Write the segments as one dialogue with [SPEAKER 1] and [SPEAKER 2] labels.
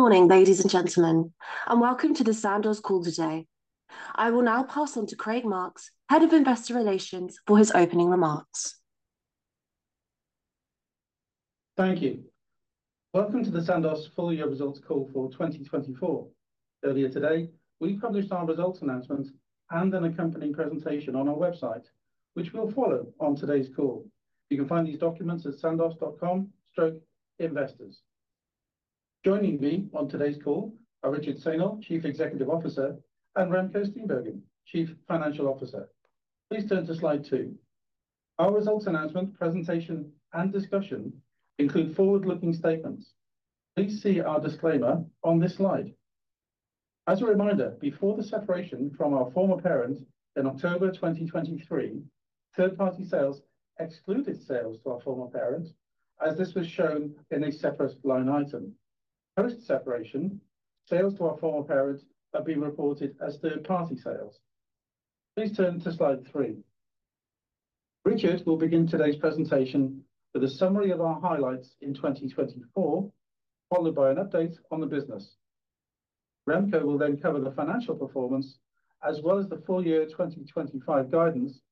[SPEAKER 1] Good morning, ladies and gentlemen, and welcome to the Sandoz Call today. I will now pass on to Craig Marks, Head of Investor Relations, for his opening remarks.
[SPEAKER 2] Thank you. Welcome to the Sandoz Full Year Results Call for 2024. Earlier today, we published our results announcement and an accompanying presentation on our website, which we'll follow on today's call. You can find these documents at sandoz.com/investors. Joining me on today's call are Richard Saynor, Chief Executive Officer, and Remco Steenbergen, Chief Financial Officer. Please turn to slide two. Our results announcement, presentation, and discussion include forward-looking statements. Please see our disclaimer on this slide. As a reminder, before the separation from our former parent in October 2023, third-party sales excluded sales to our former parent, as this was shown in a separate line item. Post-separation, sales to our former parent have been reported as third-party sales. Please turn to slide three. Richard will begin today's presentation with a summary of our highlights in 2024, followed by an update on the business. Remco will then cover the financial performance, as well as the full-year 2025 guidance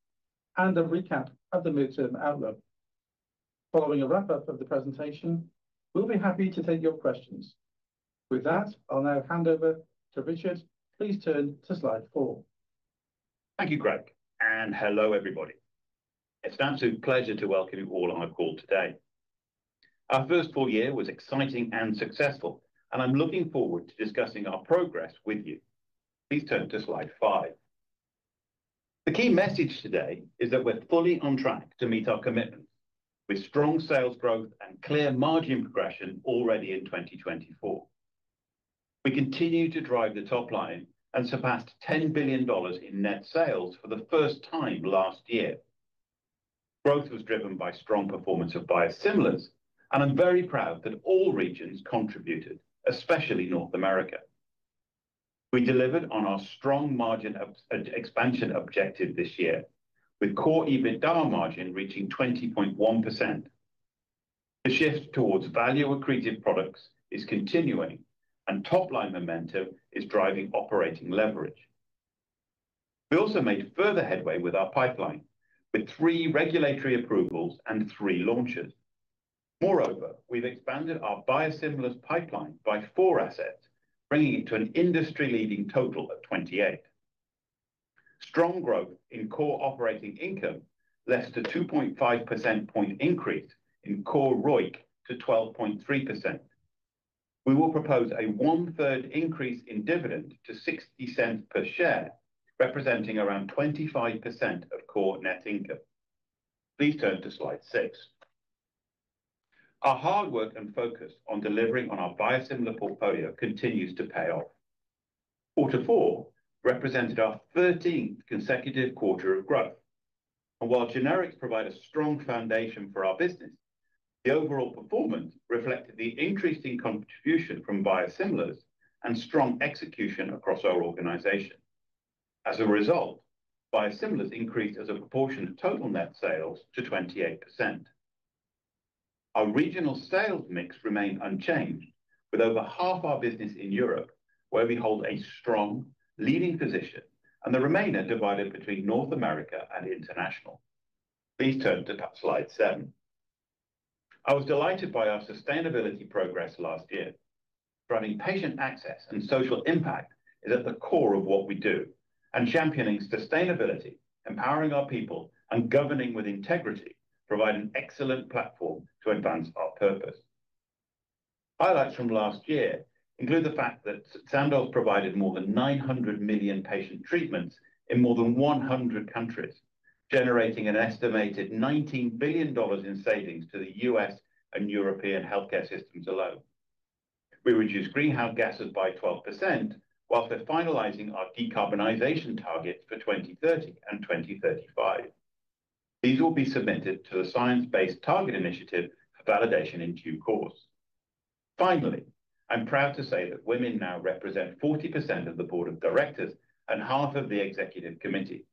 [SPEAKER 2] and a recap of the midterm outlook. Following a wrap-up of the presentation, we'll be happy to take your questions. With that, I'll now hand over to Richard. Please turn to slide four.
[SPEAKER 3] Thank you, Craig, and hello, everybody. It's an absolute pleasure to welcome you all on our call today. Our first full year was exciting and successful, and I'm looking forward to discussing our progress with you. Please turn to slide five. The key message today is that we're fully on track to meet our commitments, with strong sales growth and clear margin progression already in 2024. We continue to drive the top line and surpassed $10 billion in net sales for the first time last year. Growth was driven by strong performance of biosimilars, and I'm very proud that all regions contributed, especially North America. We delivered on our strong margin expansion objective this year, with core EBITDA margin reaching 20.1%. The shift towards value-accretive products is continuing, and top-line momentum is driving operating leverage. We also made further headway with our pipeline, with three regulatory approvals and three launches. Moreover, we've expanded our biosimilars pipeline by four assets, bringing it to an industry-leading total of 28. Strong growth in core operating income less to 2.5% point increase in Core ROIC to 12.3%. We will propose a one-third increase in dividend to 0.60 per share, representing around 25% of core net income. Please turn to slide six. Our hard work and focus on delivering on our biosimilar portfolio continues to pay off. Quarter four represented our 13th consecutive quarter of growth. And while generics provide a strong foundation for our business, the overall performance reflected the increasing contribution from biosimilars and strong execution across our organization. As a result, biosimilars increased as a proportion of total net sales to 28%. Our regional sales mix remained unchanged, with over half our business in Europe, where we hold a strong, leading position, and the remainder divided between North America and international. Please turn to slide seven. I was delighted by our sustainability progress last year. Driving patient access and social impact is at the core of what we do, and championing sustainability, empowering our people, and governing with integrity provide an excellent platform to advance our purpose. Highlights from last year include the fact that Sandoz provided more than 900 million patient treatments in more than 100 countries, generating an estimated $19 billion in savings to the U.S. and European healthcare systems alone. We reduced greenhouse gases by 12% while finalizing our decarbonization targets for 2030 and 2035. These will be submitted to the Science Based Targets initiative for validation in due course. Finally, I'm proud to say that women now represent 40% of the Board of directors and half of the executive committee,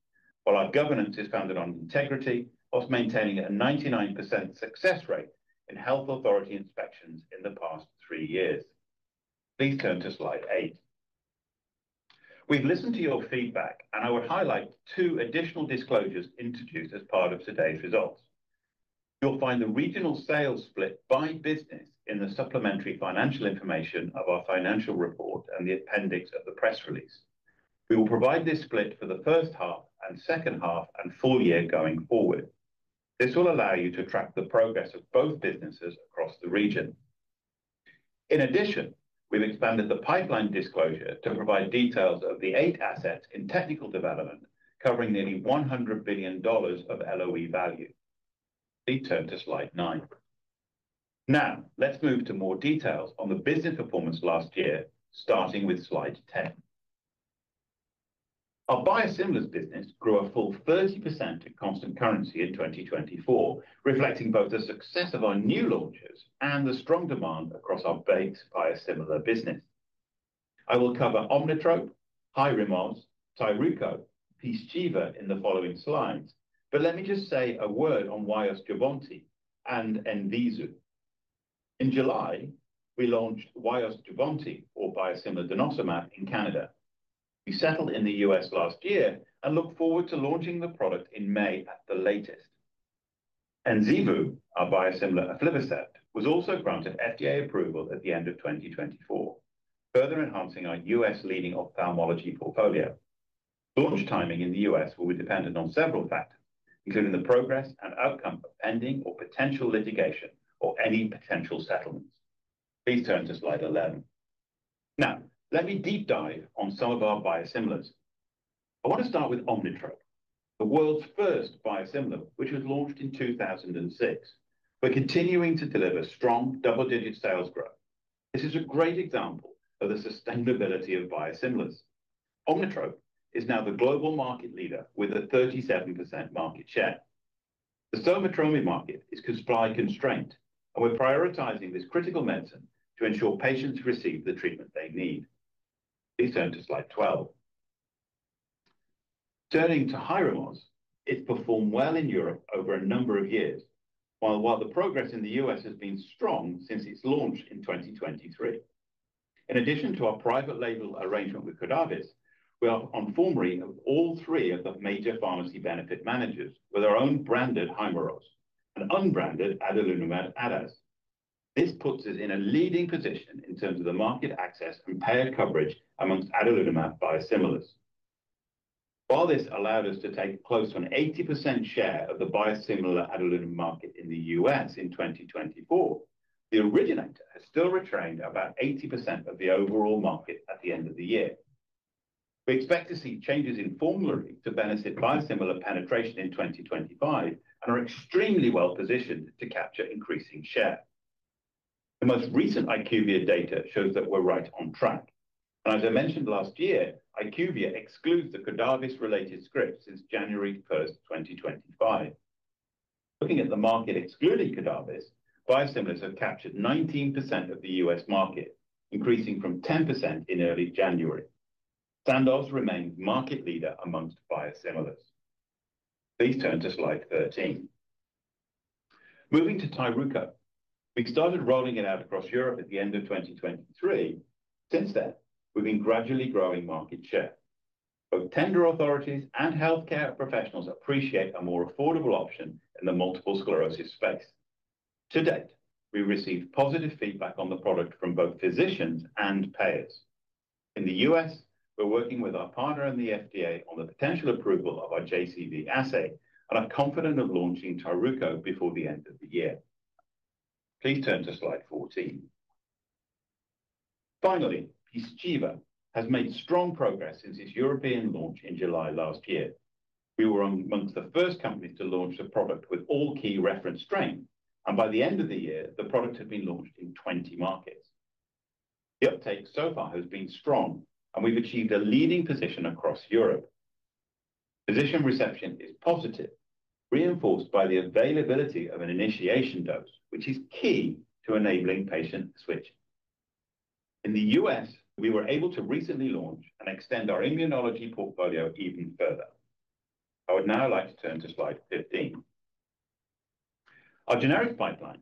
[SPEAKER 3] while our governance is founded on integrity, while maintaining a 99% success rate in health authority inspections in the past three years. Please turn to slide eight. We've listened to your feedback, and I would highlight two additional disclosures introduced as part of today's results. You'll find the regional sales split by business in the supplementary financial information of our financial report and the appendix of the press release. We will provide this split for the first half and second half and full year going forward. This will allow you to track the progress of both businesses across the region. In addition, we've expanded the pipeline disclosure to provide details of the eight assets in technical development, covering nearly $100 billion of LOE value. Please turn to slide nine. Now, let's move to more details on the business performance last year, starting with slide 10. Our biosimilars business grew a full 30% in constant currency in 2024, reflecting both the success of our new launches and the strong demand across our base biosimilar business. I will cover Omnitrope, HYRIMOZ, TYRUKO, and PYZCHIVA in the following slides, but let me just say a word on WYOST, Jubbonti and Enzeevu. In July, we launched WYOST Jubbonti, or biosimilar denosumab, in Canada. We settled in the U.S. last year and look forward to launching the product in May at the latest. Enzeevu, our biosimilar aflibercept, was also granted FDA approval at the end of 2024, further enhancing our U.S.-leading ophthalmology portfolio. Launch timing in the U.S. will be dependent on several factors, including the progress and outcome of pending or potential litigation or any potential settlements. Please turn to slide 11. Now, let me deep dive on some of our biosimilars. I want to start with Omnitrope, the world's first biosimilar, which was launched in 2006. We're continuing to deliver strong double-digit sales growth. This is a great example of the sustainability of biosimilars. Omnitrope is now the global market leader with a 37% market share. The somatropin market is supply-constrained, and we're prioritizing this critical medicine to ensure patients receive the treatment they need. Please turn to slide 12. Turning to HYRIMOZ, it's performed well in Europe over a number of years, while the progress in the US has been strong since its launch in 2023. In addition to our private label arrangement with Cordavis, we are on formulary of all three of the major pharmacy benefit managers with our own branded HYRIMOZ and unbranded adalimumab-adaz. This puts us in a leading position in terms of the market access and payer coverage amongst adalimumab biosimilars. While this allowed us to take close to an 80% share of the biosimilar adalimumab market in the U.S. in 2024, the originator has still retained about 80% of the overall market at the end of the year. We expect to see changes in formulary to benefit biosimilar penetration in 2025 and are extremely well positioned to capture increasing share. The most recent IQVIA data shows that we're right on track, and as I mentioned last year, IQVIA excludes the Cordavis-related script since January 1st, 2025. Looking at the market excluding Cordavis, biosimilars have captured 19% of the U.S. market, increasing from 10% in early January. Sandoz remains market leader amongst biosimilars. Please turn to slide 13. Moving to TYRUKO, we started rolling it out across Europe at the end of 2023. Since then, we've been gradually growing market share. Both tender authorities and healthcare professionals appreciate a more affordable option in the multiple sclerosis space. To date, we've received positive feedback on the product from both physicians and payers. In the U.S., we're working with our partner and the FDA on the potential approval of our JCV assay, and I'm confident of launching TYRUKO before the end of the year. Please turn to slide 14. Finally, PYZCHIVA has made strong progress since its European launch in July last year. We were amongst the first companies to launch the product with all key reference strength, and by the end of the year, the product had been launched in 20 markets. The uptake so far has been strong, and we've achieved a leading position across Europe. Physician reception is positive, reinforced by the availability of an initiation dose, which is key to enabling patient switch. In the U.S., we were able to recently launch and extend our immunology portfolio even further. I would now like to turn to slide 15. Our generic pipeline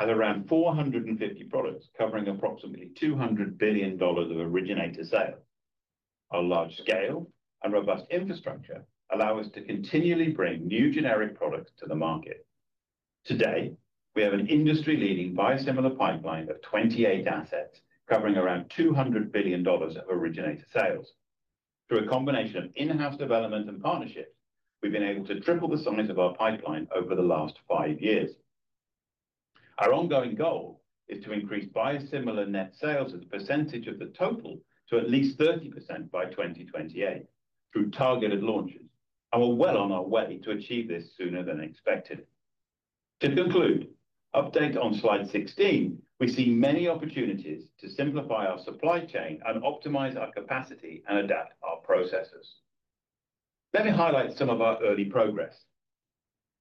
[SPEAKER 3] has around 450 products covering approximately $200 billion of originator sales. Our large scale and robust infrastructure allow us to continually bring new generic products to the market. Today, we have an industry-leading biosimilar pipeline of 28 assets covering around $200 billion of originator sales. Through a combination of in-house development and partnerships, we've been able to triple the size of our pipeline over the last five years. Our ongoing goal is to increase biosimilar net sales as a percentage of the total to at least 30% by 2028 through targeted launches, and we're well on our way to achieve this sooner than expected. To conclude, update on slide 16, we see many opportunities to simplify our supply chain and optimize our capacity and adapt our processes. Let me highlight some of our early progress.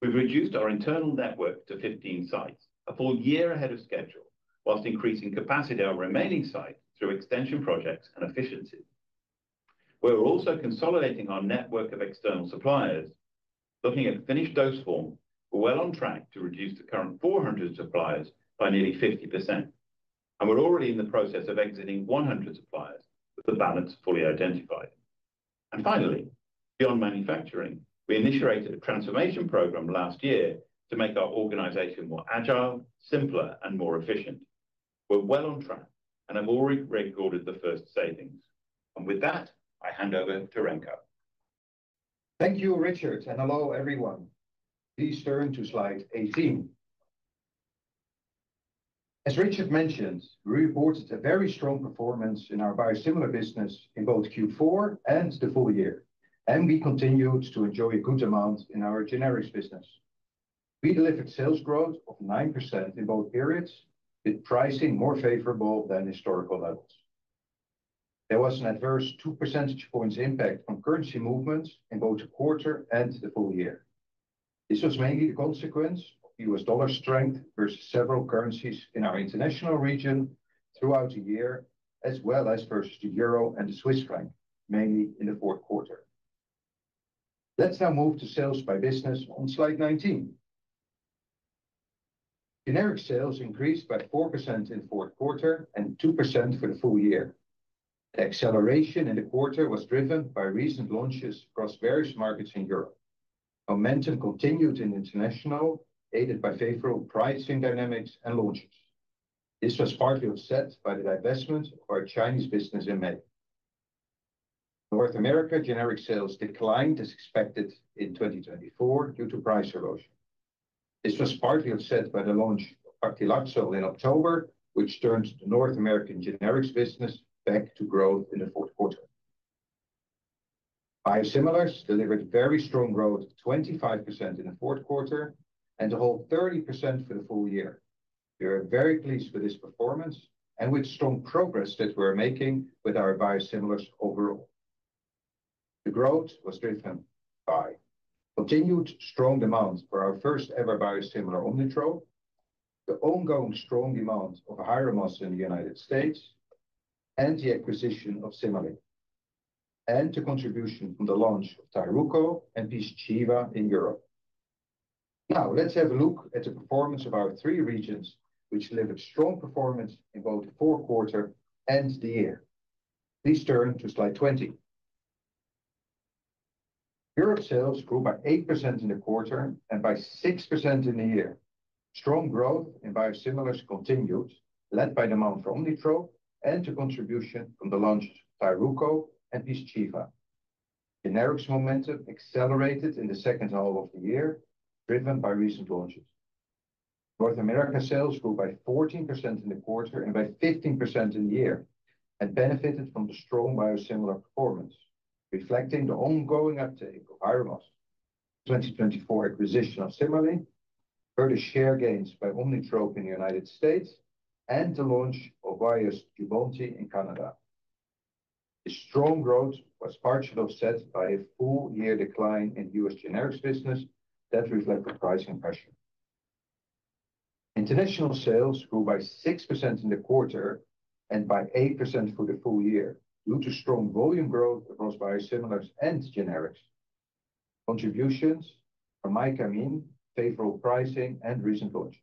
[SPEAKER 3] We've reduced our internal network to 15 sites, a full year ahead of schedule, while increasing capacity at our remaining sites through extension projects and efficiency. We're also consolidating our network of external suppliers, looking at finished dose form, well on track to reduce the current 400 suppliers by nearly 50%, and we're already in the process of exiting 100 suppliers with the balance fully identified. Finally, beyond manufacturing, we initiated a transformation program last year to make our organization more agile, simpler, and more efficient. We're well on track, and I've already recorded the first savings. With that, I hand over to Remco.
[SPEAKER 4] Thank you, Richard, and hello, everyone. Please turn to slide 18. As Richard mentioned, we reported a very strong performance in our biosimilar business in both Q4 and the full year, and we continued to enjoy a good amount in our generics business. We delivered sales growth of 9% in both periods, with pricing more favorable than historical levels. There was an adverse 2 percentage points impact on currency movements in both the quarter and the full year. This was mainly the consequence of U.S. dollar strength versus several currencies in our international region throughout the year, as well as versus the Euro and the Swiss franc, mainly in the fourth quarter. Let's now move to sales by business on slide 19. Generic sales increased by 4% in the fourth quarter and 2% for the full year. The acceleration in the quarter was driven by recent launches across various markets in Europe. Momentum continued in international, aided by favorable pricing dynamics and launches. This was partly offset by the divestment of our Chinese business in May. North America generic sales declined as expected in 2024 due to price erosion. This was partly offset by the launch of paclitaxel in October, which turned the North American generics business back to growth in the fourth quarter. Biosimilars delivered very strong growth of 25% in the fourth quarter and a whole 30% for the full year. We are very pleased with this performance and with strong progress that we're making with our biosimilars overall. The growth was driven by continued strong demand for our first-ever biosimilar Omnitrope, the ongoing strong demand of HYRIMOZ in the United States, and the acquisition of CIMERLI, and the contribution from the launch of TYRUKO and PYZCHIVA in Europe. Now, let's have a look at the performance of our three regions, which delivered strong performance in both the fourth quarter and the year. Please turn to slide 20. Europe sales grew by 8% in the quarter and by 6% in the year. Strong growth in biosimilars continued, led by demand for Omnitrope and the contribution from the launch of TYRUKO and PYZCHIVA. Generics momentum accelerated in the second half of the year, driven by recent launches. North America sales grew by 14% in the quarter and by 15% in the year, and benefited from the strong biosimilar performance, reflecting the ongoing uptake of HYRIMOZ. 2024 acquisition of CIMERLI, further share gains by Omnitrope in the United States, and the launch of WYOST Jubbonti in Canada. The strong growth was partially offset by a full-year decline in US generics business that reflected pricing pressure. International sales grew by 6% in the quarter and by 8% for the full year due to strong volume growth across biosimilars and generics, contributions from Mycamine, favorable pricing, and recent launches.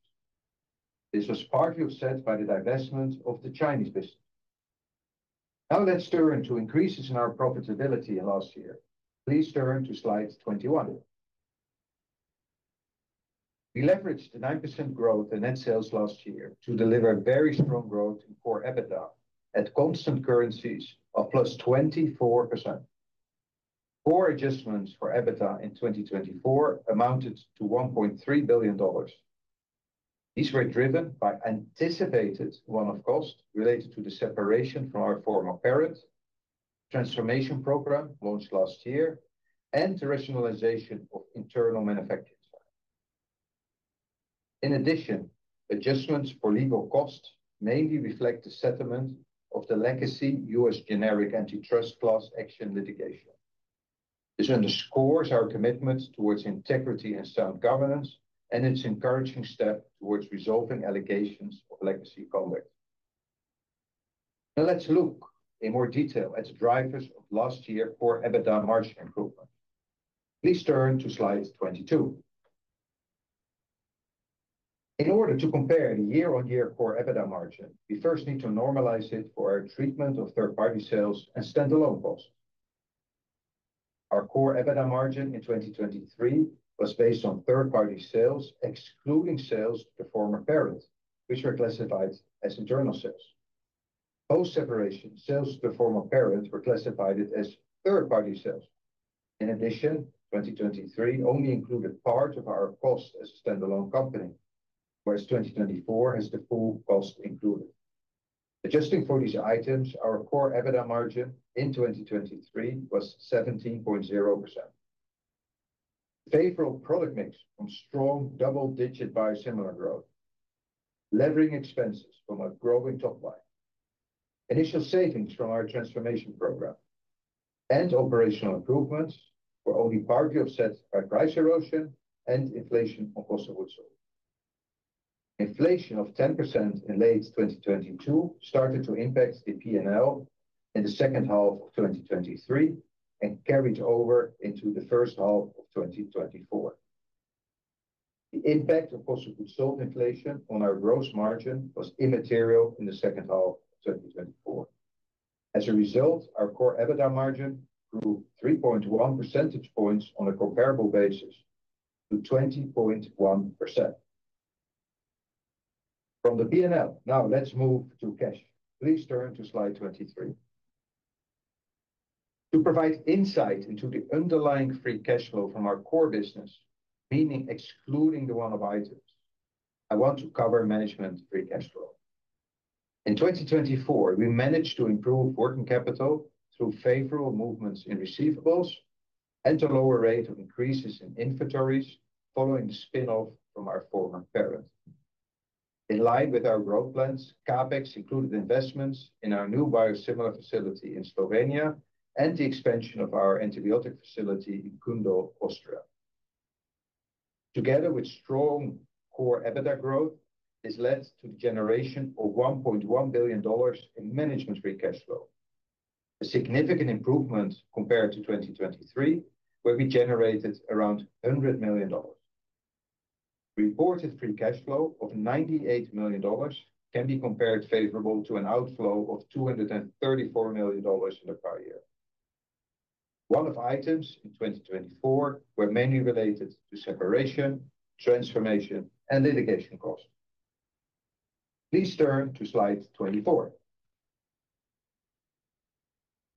[SPEAKER 4] This was partly offset by the divestment of the Chinese business. Now, let's turn to increases in our profitability last year. Please turn to slide 21. We leveraged the 9% growth in net sales last year to deliver very strong growth in core EBITDA at constant currencies of 24%. Core adjustments for EBITDA in 2024 amounted to $1.3 billion. These were driven by anticipated run-rate cost related to the separation from our former parent, transformation program launched last year, and the rationalization of internal manufacturing. In addition, adjustments for legal costs mainly reflect the settlement of the legacy U.S. generic antitrust class action litigation. This underscores our commitment towards integrity and sound governance and it's an encouraging step towards resolving allegations of legacy conduct. Now, let's look in more detail at the drivers of last year's Core EBITDA margin improvement. Please turn to slide 22. In order to compare the year-on-year Core EBITDA margin, we first need to normalize it for our treatment of third-party sales and standalone costs. Our Core EBITDA margin in 2023 was based on third-party sales excluding sales to the former parent, which were classified as internal sales. Post-separation, sales to the former parent were classified as third-party sales. In addition, 2023 only included part of our cost as a standalone company, whereas 2024 has the full cost included. Adjusting for these items, our Core EBITDA margin in 2023 was 17.0%. Favorable product mix from strong double-digit biosimilar growth, leveraging expenses from a growing top line, initial savings from our transformation program, and operational improvements were only partly offset by price erosion and inflation on postage and logistics. Inflation of 10% in late 2022 started to impact the P&L in the second half of 2023 and carried over into the first half of 2024. The impact of postage and logistics inflation on our gross margin was immaterial in the second half of 2024. As a result, our Core EBITDA margin grew 3.1 percentage points on a comparable basis to 20.1%. From the P&L, now let's move to cash. Please turn to slide 23. To provide insight into the underlying free cash flow from our core business, meaning excluding the one-off items, I want to cover management free cash flow. In 2024, we managed to improve working capital through favorable movements in receivables and a lower rate of increases in inventories following the spin-off from our former parent. In line with our growth plans, CapEx included investments in our new biosimilar facility in Slovenia and the expansion of our antibiotic facility in Kundl, Austria. Together with strong core EBITDA growth, this led to the generation of $1.1 billion in management free cash flow, a significant improvement compared to 2023, where we generated around $100 million. Reported free cash flow of $98 million can be compared favorably to an outflow of $234 million in the prior year. One-off items in 2024 were mainly related to separation, transformation, and litigation costs. Please turn to slide 24.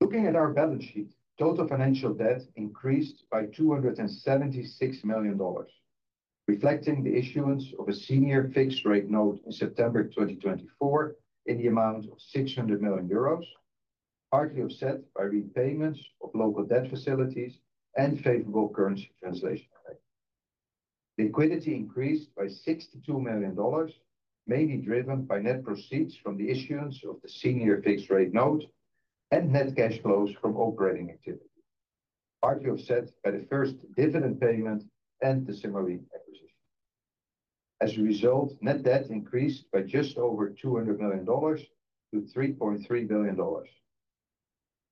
[SPEAKER 4] Looking at our balance sheet, total financial debt increased by $276 million, reflecting the issuance of a senior fixed-rate note in September 2024 in the amount of 600 million euros, partly offset by repayments of local debt facilities and favorable currency translation rate. Liquidity increased by $62 million, mainly driven by net proceeds from the issuance of the senior fixed-rate note and net cash flows from operating activity, partly offset by the first dividend payment and the CIMERLI acquisition. As a result, net debt increased by just over $200 million-$3.3 billion.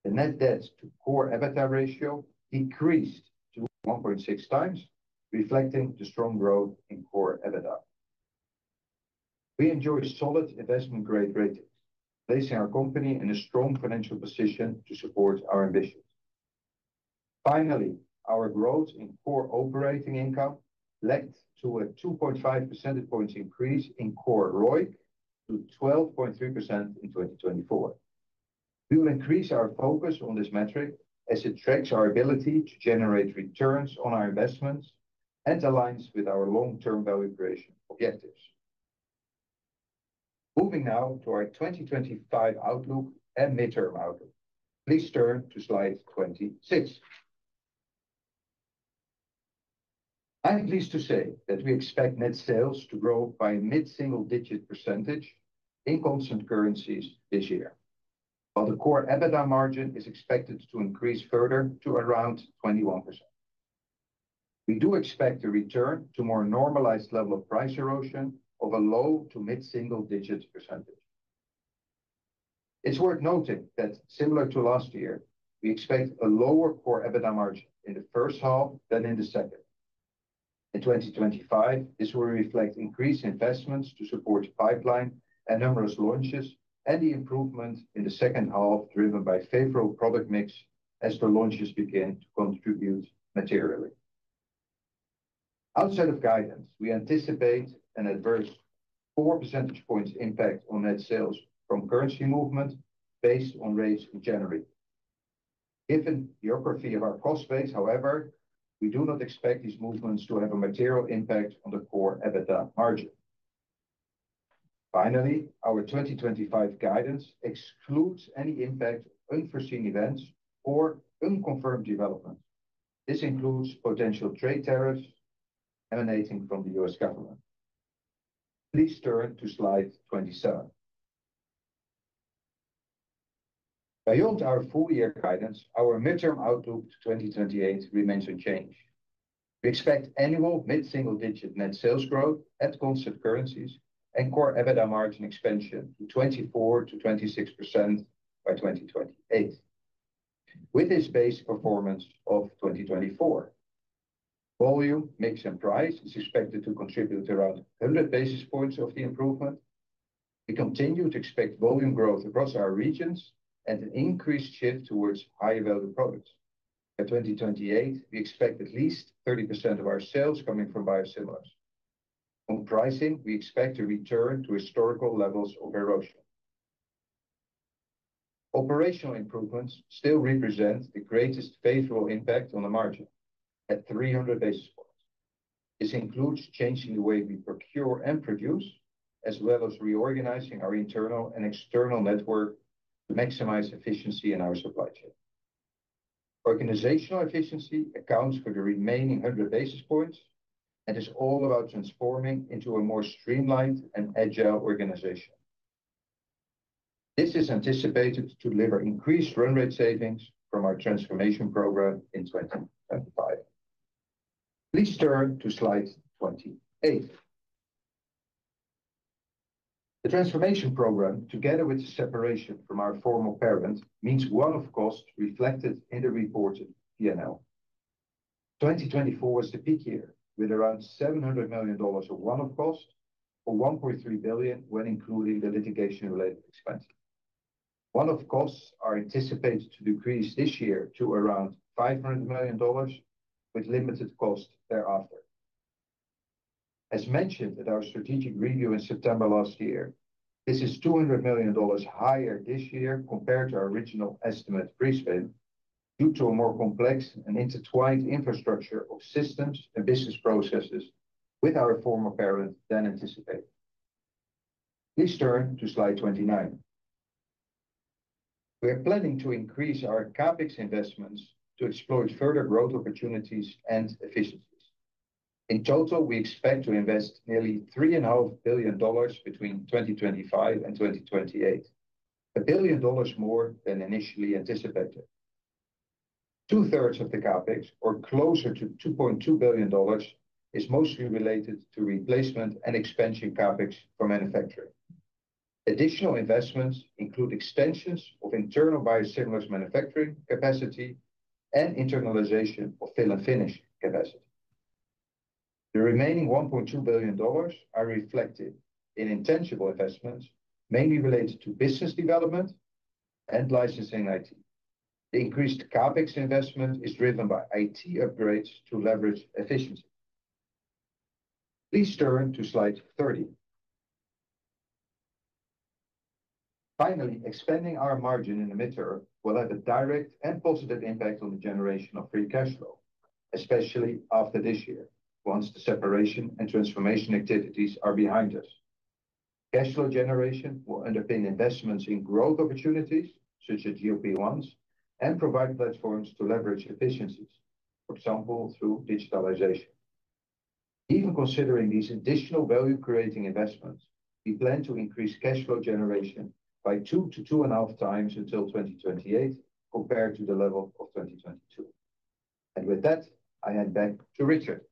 [SPEAKER 4] The net debt to core EBITDA ratio decreased to 1.6 times, reflecting the strong growth in core EBITDA. We enjoy solid investment-grade ratings, placing our company in a strong financial position to support our ambitions. Finally, our growth in core operating income led to a 2.5 percentage points increase in core ROIC to 12.3% in 2024. We will increase our focus on this metric as it tracks our ability to generate returns on our investments and aligns with our long-term value creation objectives. Moving now to our 2025 outlook and midterm outlook. Please turn to slide 26. I am pleased to say that we expect net sales to grow by a mid-single-digit % in constant currencies this year, while the core EBITDA margin is expected to increase further to around 21%. We do expect a return to a more normalized level of price erosion of a low to mid-single-digit %. It's worth noting that, similar to last year, we expect a lower core EBITDA margin in the first half than in the second. In 2025, this will reflect increased investments to support the pipeline and numerous launches and the improvement in the second half driven by favorable product mix as the launches begin to contribute materially. Outside of guidance, we anticipate an adverse 4 percentage points impact on net sales from currency movement based on rates in January. Given the geography of our cost base, however, we do not expect these movements to have a material impact on the core EBITDA margin. Finally, our 2025 guidance excludes any impact of unforeseen events or unconfirmed developments. This includes potential trade tariffs emanating from the U.S. government. Please turn to slide 27. Beyond our full-year guidance, our midterm outlook to 2028 remains unchanged. We expect annual mid-single-digit net sales growth at constant currencies and core EBITDA margin expansion to 24%-26% by 2028, with this based performance of 2024. Volume, mix, and price is expected to contribute around 100 basis points of the improvement. We continue to expect volume growth across our regions and an increased shift towards higher-value products. By 2028, we expect at least 30% of our sales coming from biosimilars. On pricing, we expect to return to historical levels of erosion. Operational improvements still represent the greatest favorable impact on the margin at 300 basis points. This includes changing the way we procure and produce, as well as reorganizing our internal and external network to maximize efficiency in our supply chain. Organizational efficiency accounts for the remaining 100 basis points and is all about transforming into a more streamlined and agile organization. This is anticipated to deliver increased run-rate savings from our transformation program in 2025. Please turn to slide 28. The transformation program, together with the separation from our former parent, means one-off costs reflected in the reported P&L. 2024 was the peak year, with around $700 million of one-off costs or $1.3 billion when including the litigation-related expenses. One-off costs are anticipated to decrease this year to around $500 million, with limited costs thereafter. As mentioned at our strategic review in September last year, this is $200 million higher this year compared to our original estimate of pre-separation spend due to a more complex and intertwined infrastructure of systems and business processes with our former parent than anticipated. Please turn to slide 29. We are planning to increase our CapEx investments to exploit further growth opportunities and efficiencies. In total, we expect to invest nearly $3.5 billion between 2025 and 2028, a billion dollars more than initially anticipated. Two-thirds of the CapEx, or closer to $2.2 billion, is mostly related to replacement and expansion CapEx for manufacturing. Additional investments include extensions of internal biosimilars manufacturing capacity and internalization of fill-and-finish capacity. The remaining $1.2 billion are reflected in intangible investments, mainly related to business development and licensing IT. The increased CapEx investment is driven by IT upgrades to leverage efficiency. Please turn to slide 30. Finally, expanding our margin in the midterm will have a direct and positive impact on the generation of free cash flow, especially after this year, once the separation and transformation activities are behind us. Cash flow generation will underpin investments in growth opportunities such as GLP-1s and provide platforms to leverage efficiencies, for example, through digitalization. Even considering these additional value-creating investments, we plan to increase cash flow generation by two to two-and-a-half times until 2028 compared to the level of 2022. With that, I hand back to Richard.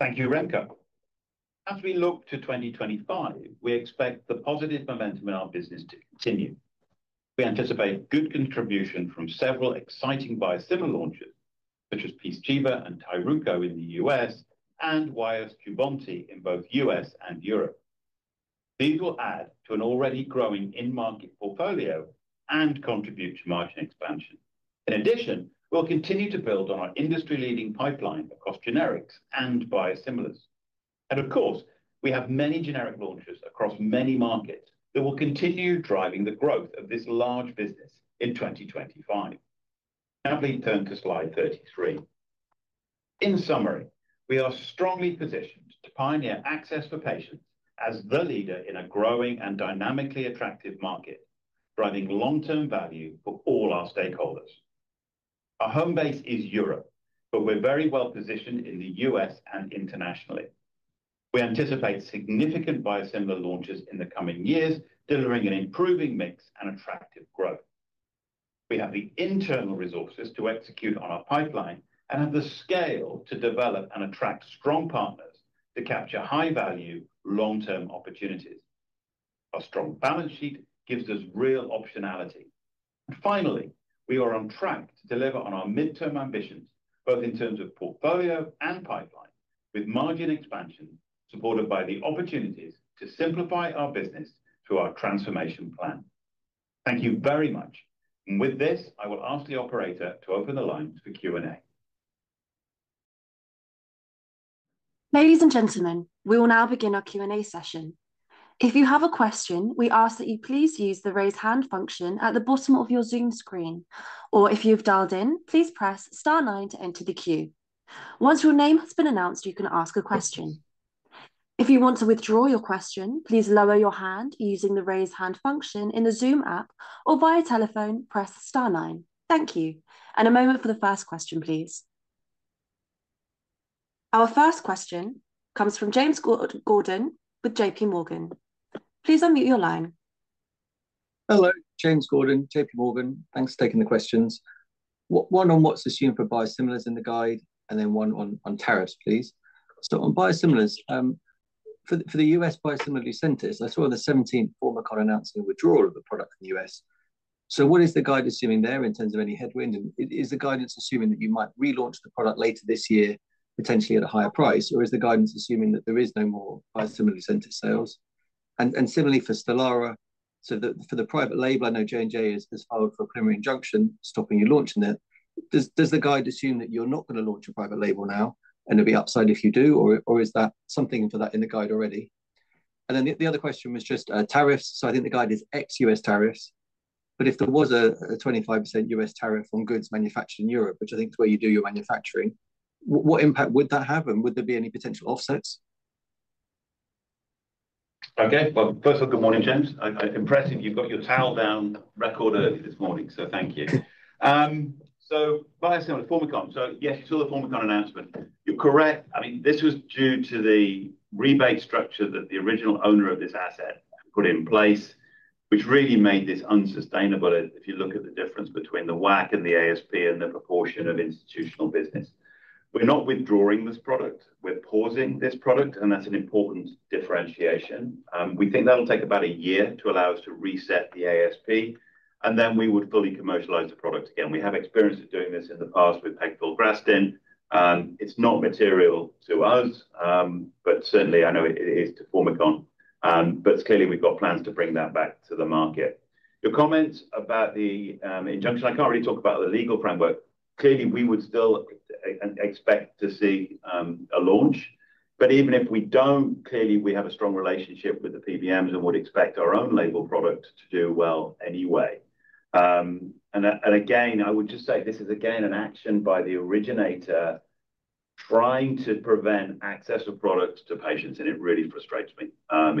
[SPEAKER 3] Thank you, Remco. As we look to 2025, we expect the positive momentum in our business to continue. We anticipate good contribution from several exciting biosimilar launches, such as PYZCHIVA and TYRUKO in the U.S. and WYOST and Jubbonti in both U.S. and Europe. These will add to an already growing in-market portfolio and contribute to margin expansion. In addition, we'll continue to build on our industry-leading pipeline across generics and biosimilars. And of course, we have many generic launches across many markets that will continue driving the growth of this large business in 2025. Now, please turn to slide 33. In summary, we are strongly positioned to pioneer access for patients as the leader in a growing and dynamically attractive market, driving long-term value for all our stakeholders. Our home base is Europe, but we're very well positioned in the U.S. and internationally. We anticipate significant biosimilar launches in the coming years, delivering an improving mix and attractive growth. We have the internal resources to execute on our pipeline and have the scale to develop and attract strong partners to capture high-value, long-term opportunities. Our strong balance sheet gives us real optionality. And finally, we are on track to deliver on our midterm ambitions, both in terms of portfolio and pipeline, with margin expansion supported by the opportunities to simplify our business through our transformation plan. Thank you very much. And with this, I will ask the operator to open the lines for Q&A.
[SPEAKER 1] Ladies and gentlemen, we will now begin our Q&A session. If you have a question, we ask that you please use the raise hand function at the bottom of your Zoom screen. Or if you've dialed in, please press star nine to enter the queue. Once your name has been announced, you can ask a question. If you want to withdraw your question, please lower your hand using the raise hand function in the Zoom app or via telephone, press star nine. Thank you. And a moment for the first question, please. Our first question comes from James Gordon with JPMorgan. Please unmute your line.
[SPEAKER 5] Hello, James Gordon, JPMorgan. Thanks for taking the questions. One on what's assumed for biosimilars in the guide and then one on tariffs, please. So on biosimilars, for the U.S. CIMERLI, I saw on the 17th, Coherus announcing a withdrawal of the product in the U.S. So what is the guide assuming there in terms of any headwind? And is the guidance assuming that you might relaunch the product later this year, potentially at a higher price? Or is the guidance assuming that there is no more biosimilar center sales? And similarly for Stelara, so that for the private label, I know J&J has filed for a preliminary injunction stopping you launching it. Does the guide assume that you're not going to launch a private label now and it'll be upside if you do? Or is that something for that in the guide already? And then the other question was just tariffs. So I think the guide is ex-U.S. tariffs. But if there was a 25% U.S. tariff on goods manufactured in Europe, which I think is where you do your manufacturing, what impact would that have? And would there be any potential offsets?
[SPEAKER 3] Okay, well, first of all, good morning, James. Impressive. You got the call on the record early this morning, so thank you. So biosimilars, CIMERLI. So yes, you saw the CIMERLI announcement. You're correct. I mean, this was due to the rebate structure that the original owner of this asset put in place, which really made this unsustainable if you look at the difference between the WAC and the ASP and the proportion of institutional business. We're not withdrawing this product. We're pausing this product, and that's an important differentiation. We think that'll take about a year to allow us to reset the ASP, and then we would fully commercialize the product again. We have experience of doing this in the past with pegfilgrastim. It's not material to us, but certainly I know it is to CIMERLI. But clearly, we've got plans to bring that back to the market. Your comments about the injunction, I can't really talk about the legal framework. Clearly, we would still expect to see a launch. But even if we don't, clearly, we have a strong relationship with the PBMs and would expect our own label product to do well anyway. And again, I would just say this is again an action by the originator trying to prevent access of products to patients, and it really frustrates me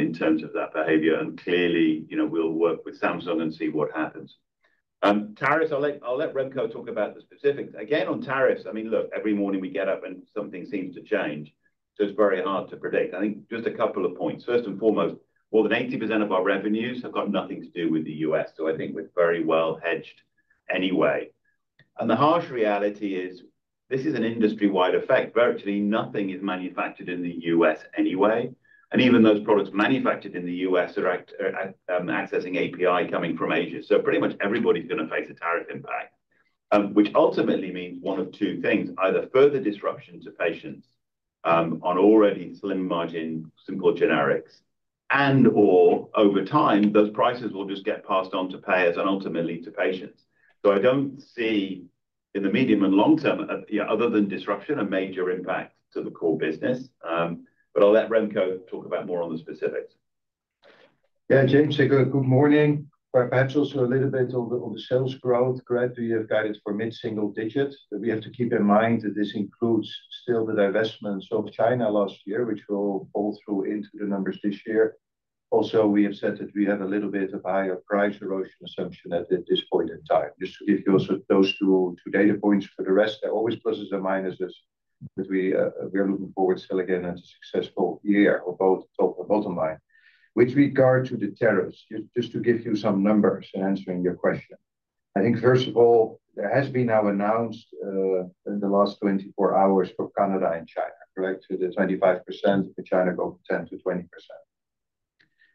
[SPEAKER 3] in terms of that behavior. And clearly, we'll work with Samsung and see what happens. Tariffs, I'll let Remco talk about the specifics. Again, on tariffs, I mean, look, every morning we get up and something seems to change, so it's very hard to predict. I think just a couple of points. First and foremost, more than 80% of our revenues have got nothing to do with the U.S., so I think we're very well hedged anyway. And the harsh reality is this is an industry-wide effect. Virtually nothing is manufactured in the U.S. anyway. And even those products manufactured in the U.S. are accessing API coming from Asia. So pretty much everybody's going to face a tariff impact, which ultimately means one of two things: either further disruption to patients on already slim margin simple generics, and/or over time, those prices will just get passed on to payers and ultimately to patients. So I don't see in the medium and long term, other than disruption, a major impact to the core business. But I'll let Remco talk about more on the specifics.
[SPEAKER 4] Yeah, James, good morning. Perhaps also a little bit on the sales growth, Great, we have guided for mid-single digits. We have to keep in mind that this includes still the divestments of China last year, which will fall through into the numbers this year. Also, we have said that we have a little bit of higher price erosion assumption at this point in time. Just to give you also those two data points for the rest, there are always pluses and minuses that we are looking forward to seeing again in a successful year or both top and bottom line. With regard to the tariffs, just to give you some numbers in answering your question, I think first of all, there has been now announced in the last 24 hours for Canada and China, correct, to the 25%, the China go from 10%-20%.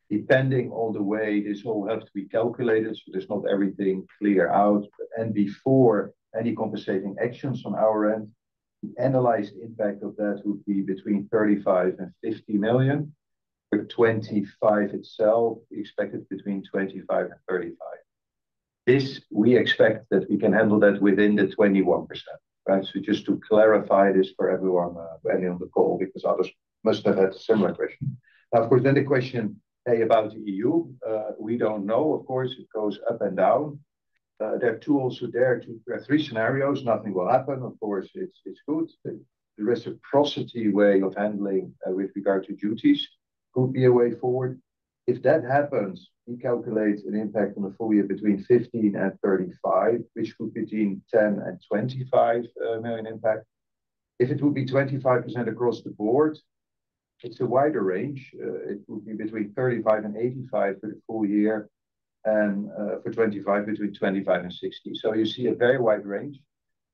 [SPEAKER 4] Depending on the way this all has to be calculated, so there's not everything clear out. And before any compensating actions on our end, the analyzed impact of that would be between 35 million and 50 million. For 2025 itself, we expect it between 25 million and 35 million. This we expect that we can handle that within the 21%. So just to clarify this for everyone on the call, because others must have had a similar question. Now, of course, then the question, hey, about the EU, we don't know. Of course, it goes up and down. There are two also there, two or three scenarios. Nothing will happen. Of course, it's good. The reciprocity way of handling with regard to duties could be a way forward. If that happens, we calculate an impact on the full year between 15 and 35, which would be between 10 million and 25 million impact. If it would be 25% across the board, it's a wider range. It would be between 35% and 85% for the full year and for 25, between 25% and 60%. So you see a very wide range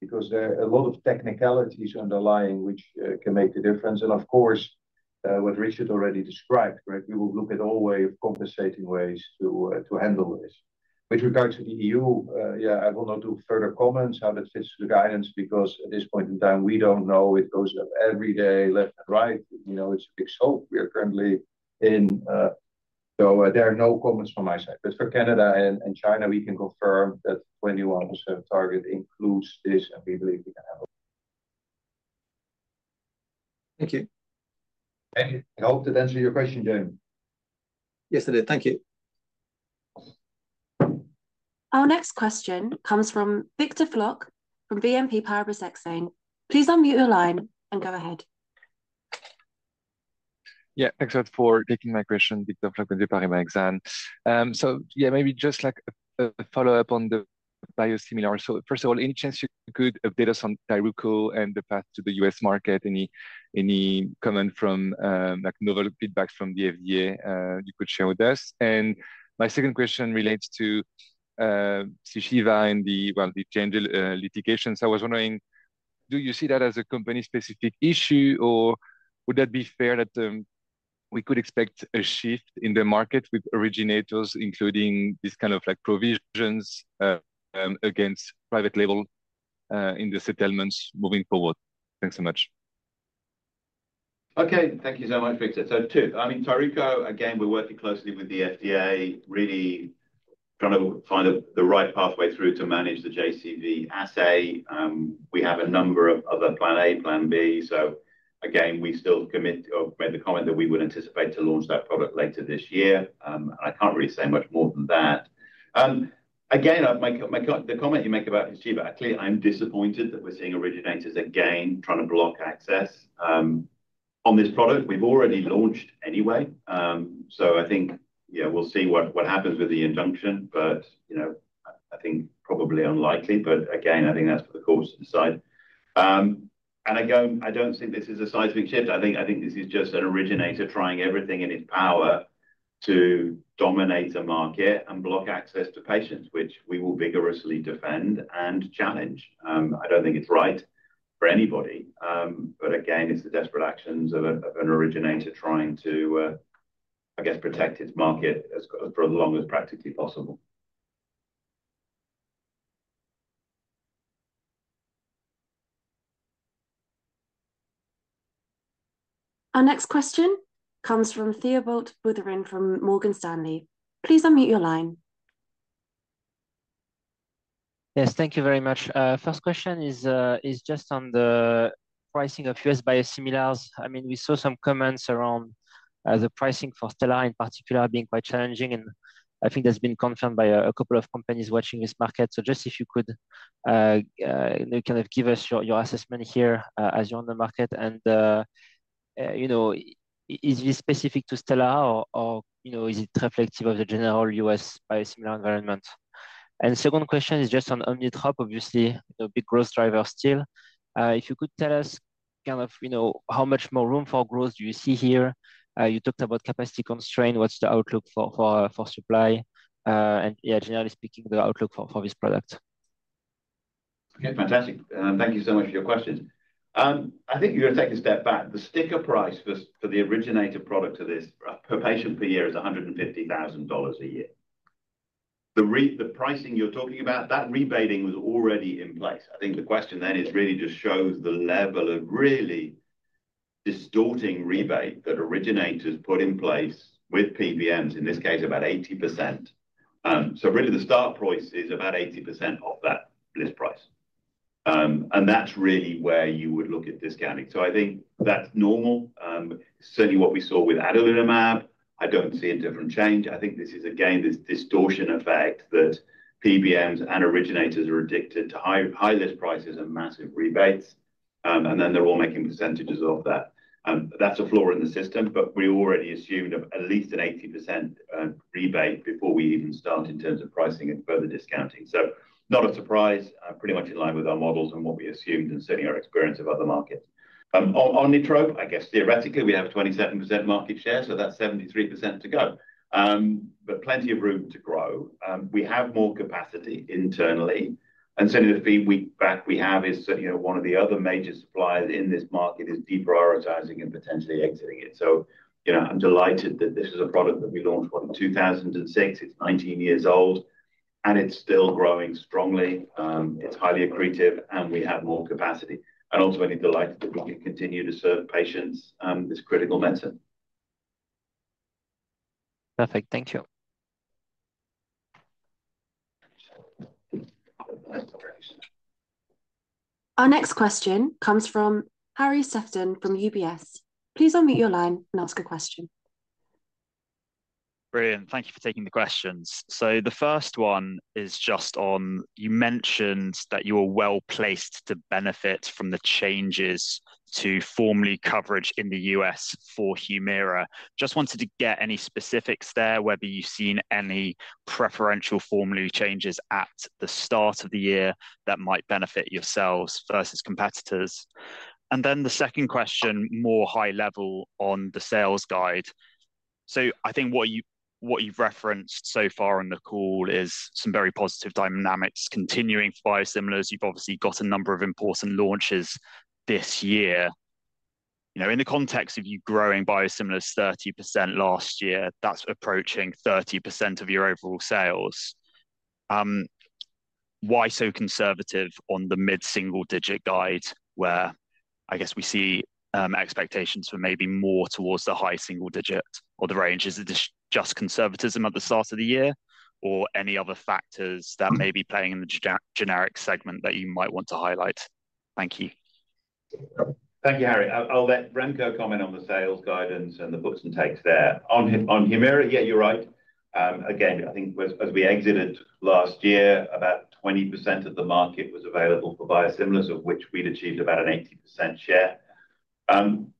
[SPEAKER 4] because there are a lot of technicalities underlying which can make the difference. And of course, what Richard already described, Great, we will look at all ways of compensating ways to handle this. With regard to the EU, yeah, I will not do further comments on how that fits the guidance because at this point in time, we don't know. It goes every day left and right. It's a big soap we are currently in. So there are no comments from my side. But for Canada and China, we can confirm that the 21% target includes this, and we believe we can handle it. Thank you. I hope that answers your question, James.
[SPEAKER 5] Yes, it did. Thank you.
[SPEAKER 1] Our next question comes from Victor Floc'h from BNP Paribas Exane. Please unmute your line and go ahead.
[SPEAKER 6] Yeah, thanks for taking my question, Victor Floc'h from BNP Paribas Exane. Yeah, maybe just like a follow-up on the biosimilars. First of all, any chance you could update us on TYRUKO and the path to the U.S. market? Any comment from like no new feedback from the FDA you could share with us? And my second question relates to PYZCHIVA and the, well, the changing litigation. I was wondering, do you see that as a company-specific issue, or would that be fair that we could expect a shift in the market with originators, including this kind of like provisions against private label in the settlements moving forward? Thanks so much.
[SPEAKER 3] Okay, thank you so much, Victor. So too, I mean, TYRUKO, again, we're working closely with the FDA, really trying to find the right pathway through to manage the JCV assay. We have a number of other plan A, plan B, so again, we still commit or made the comment that we would anticipate to launch that product later this year. I can't really say much more than that. Again, the comment you make about Enzeevu, clearly, I'm disappointed that we're seeing originators again trying to block access on this product. We've already launched anyway, so I think, yeah, we'll see what happens with the injunction, but I think probably unlikely, but again, I think that's for the courts to decide, and I don't think this is a seismic shift. I think this is just an originator trying everything in its power to dominate a market and block access to patients, which we will vigorously defend and challenge. I don't think it's right for anybody. But again, it's the desperate actions of an originator trying to, I guess, protect its market for as long as practically possible.
[SPEAKER 1] Our next question comes from Thibault Boutherin from Morgan Stanley. Please unmute your line.
[SPEAKER 7] Yes, thank you very much. First question is just on the pricing of U.S. biosimilars. I mean, we saw some comments around the pricing for Stelara in particular being quite challenging. And I think that's been confirmed by a couple of companies watching this market. So just if you could kind of give us your assessment here as you're on the market. And is this specific to Stelara, or is it reflective of the general U.S. biosimilar environment? And second question is just on Omnitrope, obviously, big growth driver still. If you could tell us kind of how much more room for growth do you see here? You talked about capacity constraint. What's the outlook for supply? And yeah, generally speaking, the outlook for this product?
[SPEAKER 3] Okay, fantastic. Thank you so much for your question. I think you're going to take a step back. The sticker price for the originator product of this per patient per year is $150,000 a year. The pricing you're talking about, that rebating was already in place. I think the question then is really just shows the level of really distorting rebate that originators put in place with PBMs, in this case, about 80%. So really, the start price is about 80% of that list price. And that's really where you would look at discounting. So I think that's normal. Certainly, what we saw with adalimumab, I don't see a different change. I think this is, again, this distortion effect that PBMs and originators are addicted to high list prices and massive rebates, and then they're all making percentages of that. That's a flaw in the system, but we already assumed at least an 80% rebate before we even start in terms of pricing and further discounting. So not a surprise, pretty much in line with our models and what we assumed and certainly our experience of other markets. Omnitrope, I guess theoretically, we have a 27% market share, so that's 73% to go, but plenty of room to grow. We have more capacity internally, and certainly, the feedback we have is certainly one of the other major suppliers in this market is deprioritizing and potentially exiting it. So I'm delighted that this is a product that we launched in 2006. It's 19 years old, and it's still growing strongly. It's highly accretive, and we have more capacity. And ultimately, delighted that we can continue to serve patients this critical medicine.
[SPEAKER 1] Perfect. Thank you. Our next question comes from Harry Sephton from UBS. Please unmute your line and ask a question.
[SPEAKER 8] Brilliant. Thank you for taking the questions. So the first one is just on, you mentioned that you were well placed to benefit from the changes to formulary coverage in the U.S. for Humira. Just wanted to get any specifics there, whether you've seen any preferential formulary changes at the start of the year that might benefit yourselves versus competitors. And then the second question, more high level on the sales guidance. So I think what you've referenced so far on the call is some very positive dynamics continuing for biosimilars. You've obviously got a number of important launches this year. In the context of you growing biosimilars 30% last year, that's approaching 30% of your overall sales. Why so conservative on the mid-single digit guide where I guess we see expectations for maybe more towards the high single digit or the range? Is it just conservatism at the start of the year or any other factors that may be playing in the generic segment that you might want to highlight? Thank you.
[SPEAKER 3] Thank you, Harry. I'll let Remco comment on the sales guidance and the books and takes there. On Humira, yeah, you're right. Again, I think as we exited last year, about 20% of the market was available for biosimilars, of which we'd achieved about an 80% share.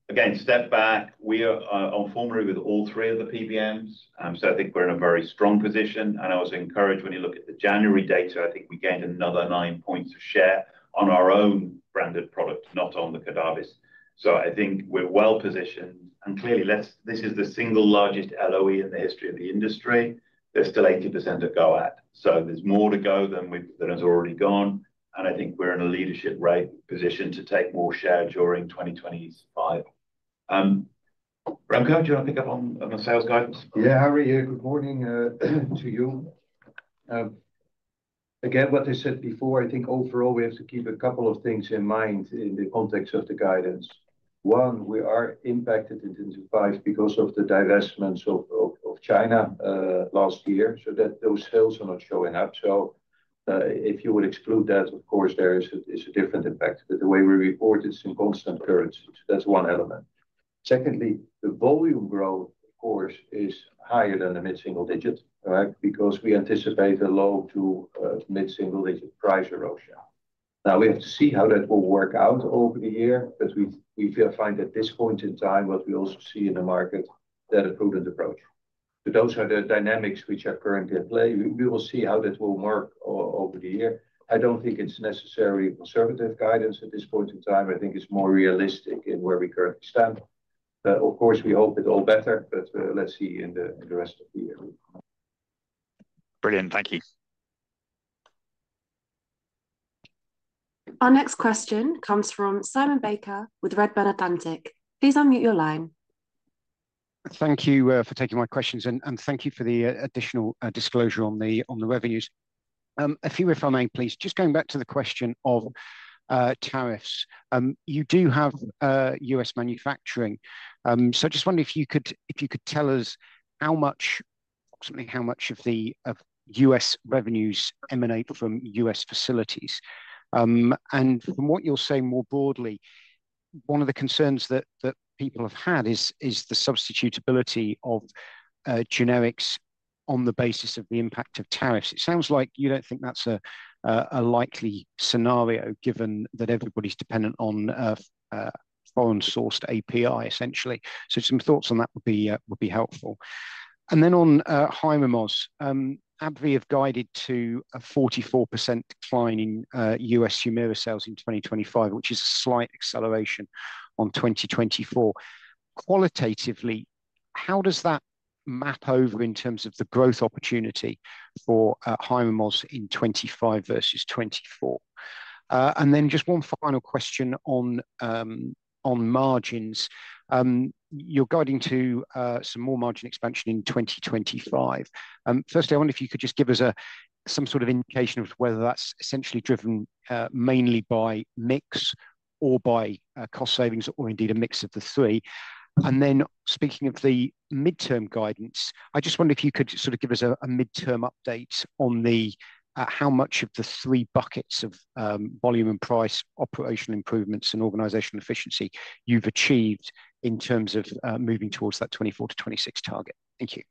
[SPEAKER 3] Again, step back. We are on formulary with all three of the PBMs. So I think we're in a very strong position, and I was encouraged when you look at the January data. I think we gained another nine points of share on our own branded product, not on the Cordavis. So I think we're well positioned, and clearly, this is the single largest LOE in the history of the industry. There's still 80% to go at. So there's more to go than has already gone, and I think we're in a leadership position to take more share during 2025. Remco, do you want to pick up on the sales guidance?
[SPEAKER 4] Yeah, Harry, good morning to you. Again, what I said before, I think overall we have to keep a couple of things in mind in the context of the guidance. One, we are impacted in 2025 because of the divestments of China last year, so that those sales are not showing up, so if you would exclude that, of course, there is a different impact, but the way we report, it's in constant currency, so that's one element. Secondly, the volume growth, of course, is higher than the mid-single-digit, right? Because we anticipate a low- to mid-single-digit price erosion. Now, we have to see how that will work out over the year, but we find at this point in time what we also see in the market, that a prudent approach, so those are the dynamics which are currently at play. We will see how that will work over the year. I don't think it's necessarily conservative guidance at this point in time. I think it's more realistic in where we currently stand. Of course, we hope it's all better, but let's see in the rest of the year.
[SPEAKER 8] Brilliant. Thank you.
[SPEAKER 1] Our next question comes from Simon Baker with Redburn Atlantic. Please unmute your line.
[SPEAKER 9] Thank you for taking my questions, and thank you for the additional disclosure on the revenues. A few if I may, please. Just going back to the question of tariffs, you do have U.S. manufacturing. So I just wondered if you could tell us approximately how much of the U.S. revenues emanate from U.S. facilities. And from what you're saying more broadly, one of the concerns that people have had is the substitutability of generics on the basis of the impact of tariffs. It sounds like you don't think that's a likely scenario given that everybody's dependent on foreign-sourced API, essentially. So some thoughts on that would be helpful. And then on HYRIMOZ, AbbVie have guided to a 44% decline in U.S. Humira sales in 2025, which is a slight acceleration on 2024. Qualitatively, how does that map over in terms of the growth opportunity for HYRIMOZ in 2025 versus 2024? And then just one final question on margins. You're guiding to some more margin expansion in 2025. Firstly, I wonder if you could just give us some sort of indication of whether that's essentially driven mainly by mix or by cost savings or indeed a mix of the three. And then speaking of the midterm guidance, I just wonder if you could sort of give us a midterm update on how much of the three buckets of volume and price, operational improvements, and organizational efficiency you've achieved in terms of moving towards that 2024 to 2026 target. Thank you.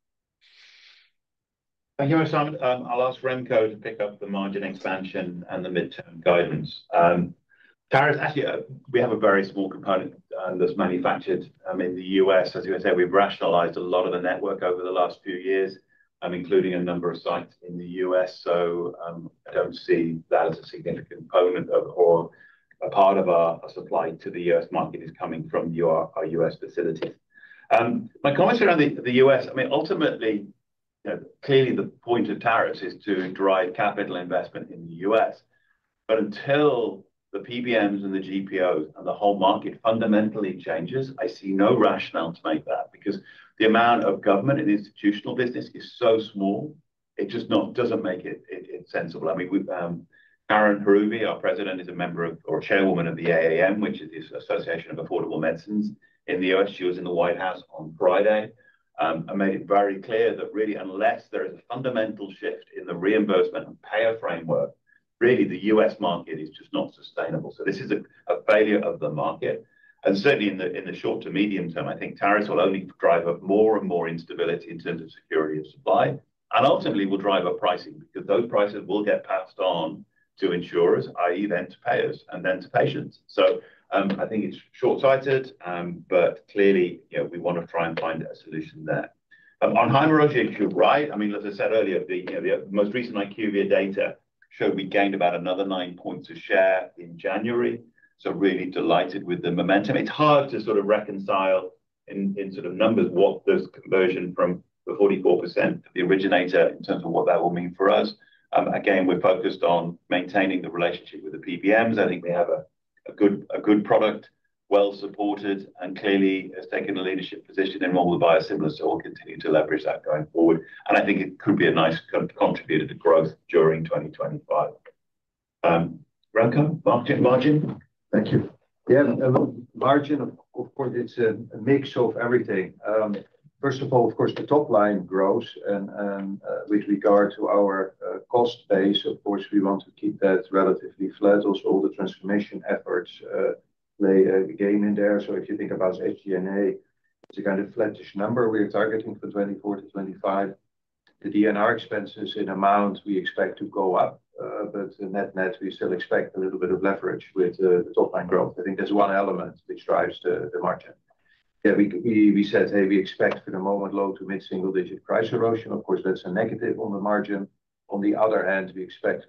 [SPEAKER 3] Thank you, Simon. I'll ask Remco to pick up the margin expansion and the midterm guidance. Tariffs, actually, we have a very small component that's manufactured in the U.S. As you said, we've rationalized a lot of the network over the last few years, including a number of sites in the U.S. So I don't see that as a significant component or a part of our supply to the U.S. market is coming from our U.S. facilities. My comments around the U.S., I mean, ultimately, clearly the point of tariffs is to drive capital investment in the U.S. But until the PBMs and the GPOs and the whole market fundamentally changes, I see no rationale to make that because the amount of government and institutional business is so small, it just doesn't make it sensible. I mean, Keren Haruvi, our President, is a member of or Chairwoman of the AAM, which is the Association of Affordable Medicines in the U.S. She was in the White House on Friday and made it very clear that really, unless there is a fundamental shift in the reimbursement and payer framework, really, the U.S. market is just not sustainable. So this is a failure of the market. And certainly, in the short to medium term, I think tariffs will only drive up more and more instability in terms of security of supply. And ultimately, it will drive up pricing because those prices will get passed on to insurers, i.e., then to payers, and then to patients. So I think it's short-sighted, but clearly, we want to try and find a solution there. On HYRIMOZ, you're right. I mean, as I said earlier, the most recent IQVIA data showed we gained about another nine points of share in January. So really delighted with the momentum. It's hard to sort of reconcile in sort of numbers what this conversion from the 44% of the originator in terms of what that will mean for us. Again, we're focused on maintaining the relationship with the PBMs. I think we have a good product, well-supported, and clearly has taken a leadership position in all the biosimilars. So we'll continue to leverage that going forward. And I think it could be a nice contributor to growth during 2025. Remco, margin?
[SPEAKER 4] Thank you. Yeah. Margin, of course, it's a mix of everything. First of all, of course, the top line grows. And with regard to our cost base, of course, we want to keep that relatively flat. Also, all the transformation efforts play a part in there. So if you think about SG&A, it's a kind of flattish number we're targeting for 2024 to 2025. The R&D expenses in amount, we expect to go up, but net net, we still expect a little bit of leverage with the top line growth. I think that's one element which drives the margin. Yeah, we said, hey, we expect for the moment low to mid-single digit price erosion. Of course, that's a negative on the margin. On the other hand, we expect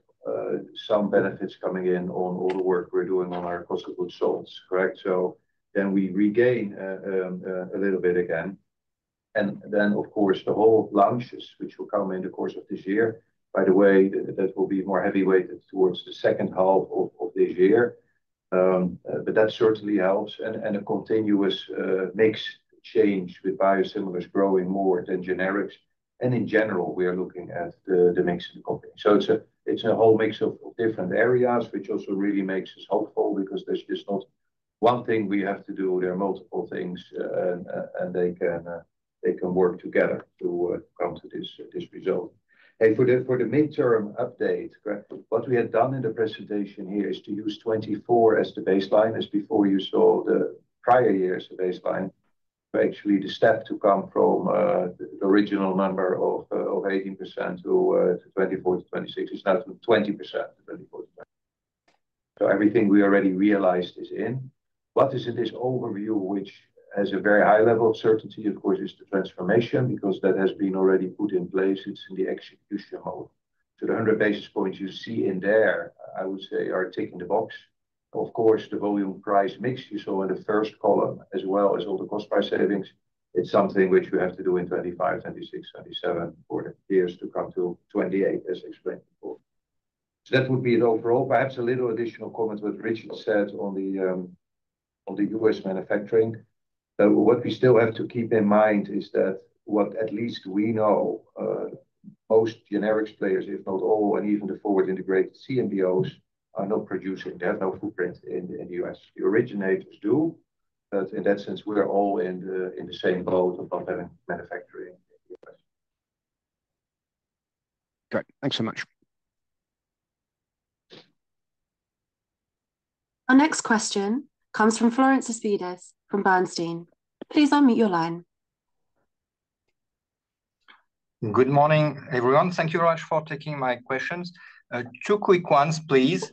[SPEAKER 4] some benefits coming in on all the work we're doing on our cost of goods sold, correct? So then we regain a little bit again. And then, of course, the whole launches, which will come in the course of this year, by the way, that will be more heavily weighted towards the second half of this year. But that certainly helps. And a continuous mix change with biosimilars growing more than generics. And in general, we are looking at the mix of the company. So it's a whole mix of different areas, which also really makes us hopeful because there's just not one thing we have to do. There are multiple things, and they can work together to come to this result. Hey, for the midterm update, what we had done in the presentation here is to use 2024 as the baseline, as before you saw the prior year as the baseline. But actually, the step to come from the original number of 18% to 2024 to 2026 is now to 20% to 2024. So everything we already realized is in. What is in this overview, which has a very high level of certainty, of course, is the transformation because that has been already put in place. It's in the execution mode. So the 100 basis points you see in there, I would say, are ticking the box. Of course, the volume price mix you saw in the first column, as well as all the cost price savings, it's something which we have to do in 2025, 2026, 2027 for the years to come to 2028, as explained before. So that would be it overall. Perhaps a little additional comment to what Richard said on the U.S. manufacturing. What we still have to keep in mind is that what at least we know, most generics players, if not all, and even the forward integrated CDMOs are not producing. They have no footprint in the U.S. The originators do. But in that sense, we're all in the same boat of not having manufacturing in the U.S. Great. Thanks so much.
[SPEAKER 1] Our next question comes from Florent Cespedes from Bernstein. Please unmute your line.
[SPEAKER 10] Good morning, everyone. Thank you, Raj, for taking my questions. Two quick ones, please.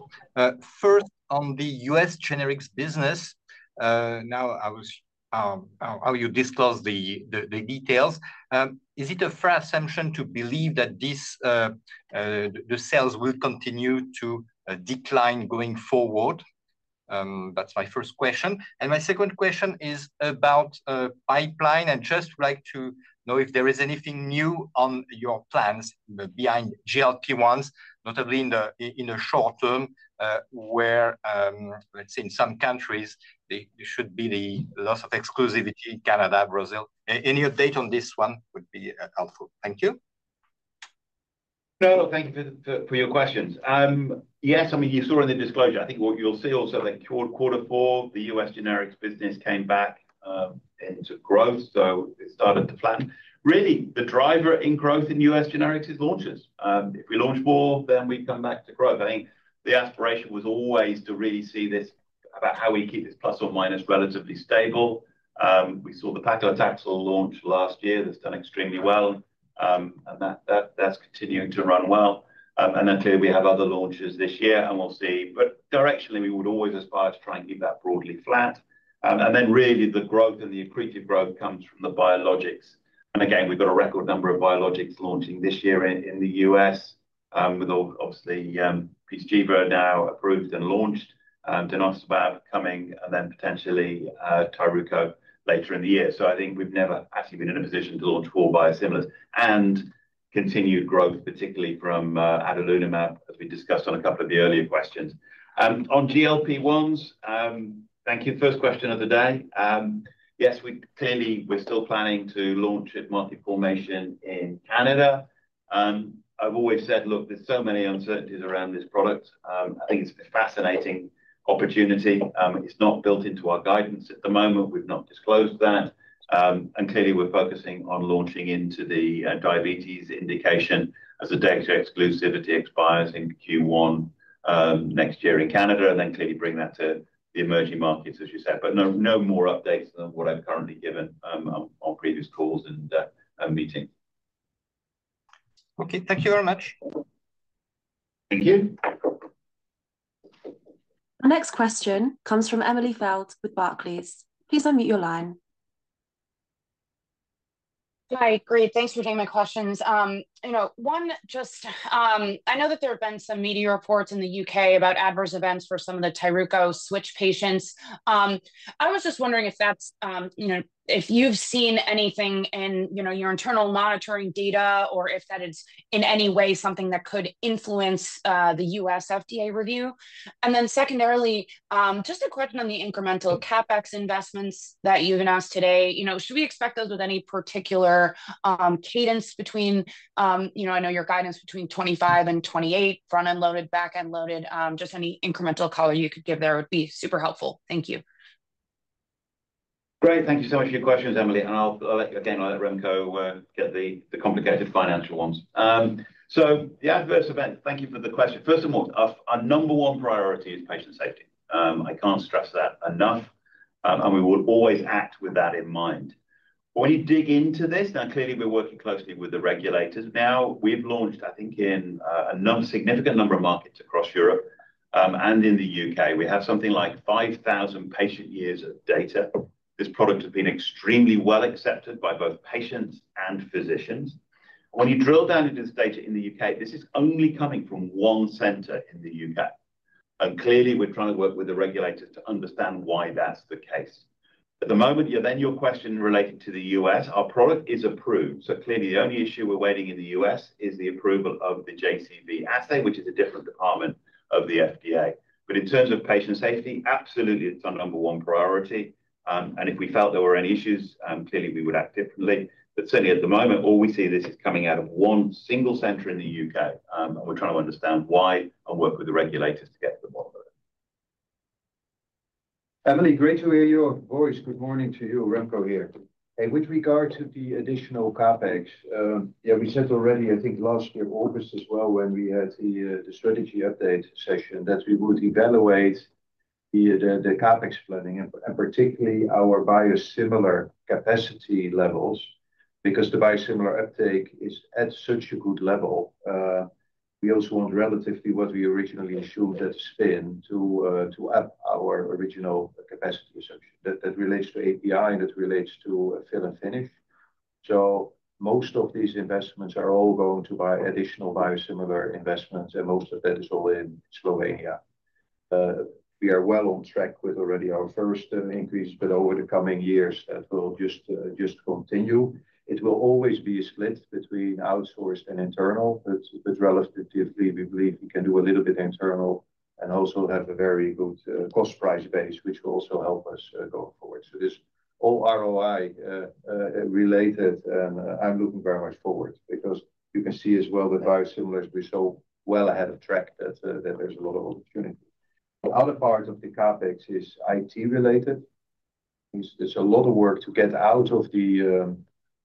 [SPEAKER 10] First, on the U.S. generics business, now I will have you disclose the details. Is it a fair assumption to believe that the sales will continue to decline going forward? That's my first question. And my second question is about pipeline and just like to know if there is anything new on your plans behind GLP-1s, notably in the short term where, let's say, in some countries, there should be the loss of exclusivity in Canada, Brazil. Any update on this one would be helpful. Thank you.
[SPEAKER 3] No, thank you for your questions. Yes, I mean, you saw in the disclosure, I think what you'll see also that quarter four, the U.S. generics business came back into growth. So it started to flatten really. The driver in growth in U.S. generics is launches. If we launch more, then we come back to growth. I think the aspiration was always to really see this about how we keep this plus or minus relatively stable. We saw the paclitaxel launch last year. That's done extremely well. And that's continuing to run well. And then clearly, we have other launches this year, and we'll see. But directionally, we would always aspire to try and keep that broadly flat. And then really, the growth and the accretive growth comes from the biologics. And again, we've got a record number of biologics launching this year in the U.S., with obviously PYZCHIVA now approved and launched, denosumab coming, and then potentially TYRUKO later in the year. So I think we've never actually been in a position to launch four biosimilars and continued growth, particularly from adalimumab, as we discussed on a couple of the earlier questions. On GLP-1s, thank you. First question of the day. Yes, clearly, we're still planning to launch a multi-formulation in Canada. I've always said, look, there's so many uncertainties around this product. I think it's a fascinating opportunity. It's not built into our guidance at the moment. We've not disclosed that. And clearly, we're focusing on launching into the diabetes indication as the data exclusivity expires in Q1 next year in Canada, and then clearly bring that to the emerging markets, as you said. But no more updates than what I've currently given on previous calls and meetings.
[SPEAKER 10] Okay. Thank you very much.
[SPEAKER 3] Thank you.
[SPEAKER 1] Our next question comes from Emily Field with Barclays. Please unmute your line.
[SPEAKER 11] Hi, great. Thanks for taking my questions. One, just I know that there have been some media reports in the U.K. about adverse events for some of the TYRUKO switch patients. I was just wondering if that's if you've seen anything in your internal monitoring data or if that is in any way something that could influence the U.S. FDA review. And then secondarily, just a question on the incremental CapEx investments that you've announced today. Should we expect those with any particular cadence between I know your guidance between 25 and 28, front-end loaded, back-end loaded? Just any incremental color you could give there would be super helpful. Thank you.
[SPEAKER 3] Great. Thank you so much for your questions, Emily. And again, I'll let Remco get the complicated financial ones. So the adverse event, thank you for the question. First of all, our number one priority is patient safety. I can't stress that enough, and we will always act with that in mind. When you dig into this, now, clearly, we're working closely with the regulators. Now, we've launched, I think, in a significant number of markets across Europe and in the U.K. We have something like 5,000 patient years of data. This product has been extremely well accepted by both patients and physicians. When you drill down into this data in the U.K., this is only coming from one center in the U.K. And clearly, we're trying to work with the regulators to understand why that's the case. At the moment, then your question related to the U.S., our product is approved, so clearly, the only issue we're waiting in the U.S. is the approval of the JCV assay, which is a different department of the FDA. But in terms of patient safety, absolutely, it's our number one priority. And if we felt there were any issues, clearly, we would act differently. But certainly, at the moment, all we see is this coming out of one single center in the U.K. And we're trying to understand why and work with the regulators to get to the bottom of it.
[SPEAKER 4] Emily, great to hear your voice. Good morning to you. Remco here. With regard to the additional CapEx, yeah, we said already, I think last year, August as well, when we had the strategy update session that we would evaluate the CapEx planning and particularly our biosimilar capacity levels because the biosimilar uptake is at such a good level. We also want, relative to what we originally assumed at Spin, to up our original capacity assumption that relates to API and that relates to fill and finish. So most of these investments are all going to buy additional biosimilar investments, and most of that is all in Slovenia. We are well on track with already our first increase, but over the coming years, that will just continue. It will always be a split between outsourced and internal, but relatively, we believe we can do a little bit internal and also have a very good cost price base, which will also help us go forward. So this all ROI related, and I'm looking very much forward because you can see as well that biosimilars we saw well ahead of track that there's a lot of opportunity. The other part of the CapEx is IT related. There's a lot of work to get out of the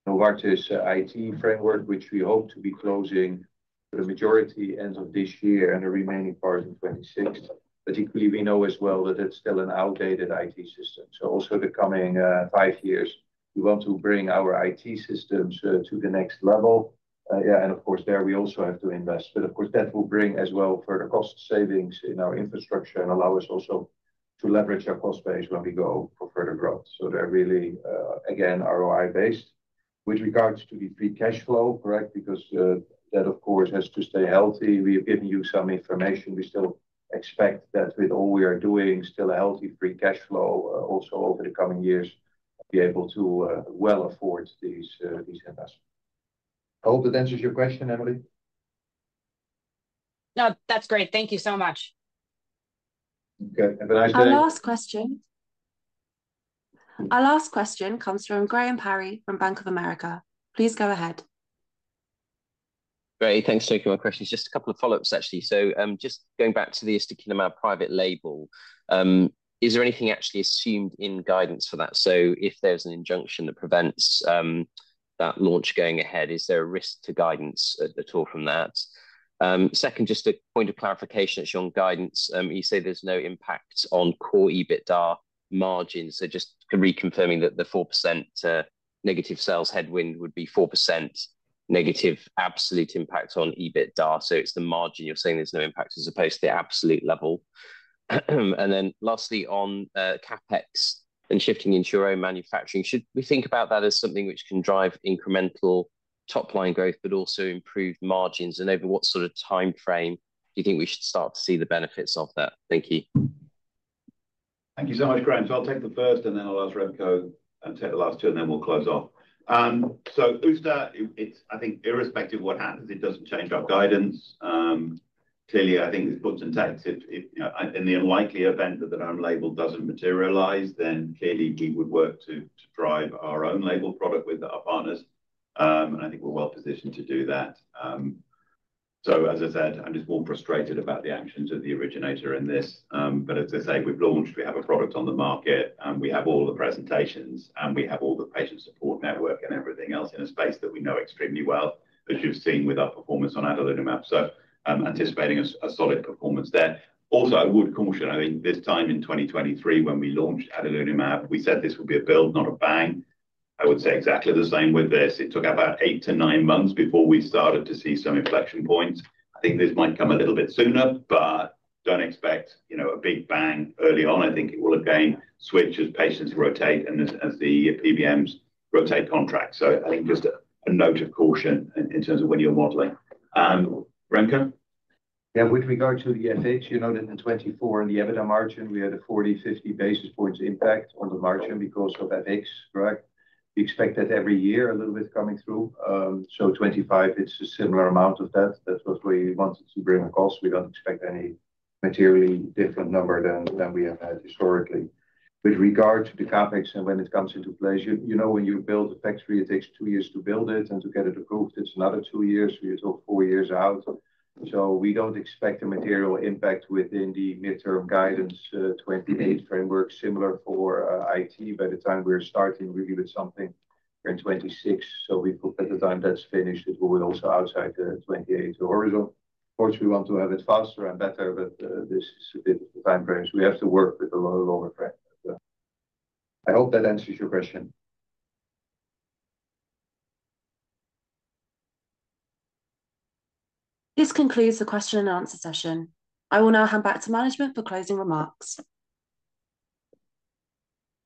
[SPEAKER 4] Novartis IT framework, which we hope to be closing for the majority end of this year and the remaining part in 2026. But equally, we know as well that it's still an outdated IT system. So also the coming five years, we want to bring our IT systems to the next level. Yeah. And of course, there we also have to invest. But of course, that will bring as well further cost savings in our infrastructure and allow us also to leverage our cost base when we go for further growth. So they're really, again, ROI based. With regards to the free cash flow, correct, because that, of course, has to stay healthy. We have given you some information. We still expect that with all we are doing, still a healthy free cash flow also over the coming years, be able to well afford these investments. I hope that answers your question, Emily.
[SPEAKER 11] No, that's great. Thank you so much.
[SPEAKER 4] Okay. Have a nice day.
[SPEAKER 1] Our last question. Our last question comes from Graham Parry from Bank of America. Please go ahead. Great.
[SPEAKER 12] Thanks for taking my question. Just a couple of follow-ups, actually. So just going back to the significant amount of private label, is there anything actually assumed in guidance for that? So if there's an injunction that prevents that launch going ahead, is there a risk to guidance at all from that? Second, just a point of clarification on guidance. You say there's no impact on core EBITDA margins. So just reconfirming that the 4% negative sales headwind would be 4% negative absolute impact on EBITDA. So it's the margin you're saying there's no impact as opposed to the absolute level. And then lastly, on CapEx and shifting into your own manufacturing, should we think about that as something which can drive incremental top-line growth, but also improve margins? And over what sort of timeframe do you think we should start to see the benefits of that? Thank you.
[SPEAKER 3] Thank you so much, Graham. So I'll take the first, and then I'll ask Remco and take the last two, and then we'll close off. So FDA, I think irrespective of what happens, it doesn't change our guidance. Clearly, I think it puts intent. In the unlikely event that our label doesn't materialize, then clearly, we would work to drive our own label product with our partners. And I think we're well positioned to do that. So as I said, I'm just more frustrated about the actions of the originator in this. But as I say, we've launched, we have a product on the market, and we have all the presentations, and we have all the patient support network and everything else in a space that we know extremely well, as you've seen with our performance on adalimumab. So anticipating a solid performance there. Also, I would caution. I think this time in 2023, when we launched adalimumab, we said this would be a build, not a bang. I would say exactly the same with this. It took about eight to nine months before we started to see some inflection points. I think this might come a little bit sooner, but don't expect a big bang early on. I think it will again switch as patients rotate and as the PBMs rotate contracts. So I think just a note of caution in terms of when you're modeling. Remco?
[SPEAKER 4] Yeah. With regard to the FH, you noted in 2024, in the EBITDA margin, we had a 40-50 basis points impact on the margin because of FH, correct? We expect that every year, a little bit coming through. So 2025, it's a similar amount of that. That's what we wanted to bring across. We don't expect any materially different number than we have had historically. With regard to the CapEx and when it comes into play, you know when you build a factory, it takes two years to build it. And to get it approved, it's another two years. We're talking four years out. So we don't expect a material impact within the midterm guidance 2028 framework, similar for IT by the time we're starting really with something. We're in 2026. So we hope at the time that's finished, it will be also outside the 2028 horizon. Of course, we want to have it faster and better, but this is a bit of a time frame. So we have to work with a lot of longer frame. I hope that answers your question.
[SPEAKER 1] This concludes the question and answer session. I will now hand back to management for closing remarks.